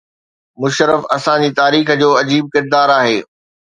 مشرف اسان جي تاريخ جو عجيب ڪردار آهي.